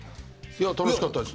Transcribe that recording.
楽しかったです。